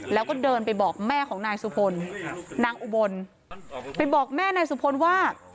แล้วก็เดินไปบอกแม่ของนายสุพลนางอุบลไปบอกแม่นายสุพลว่า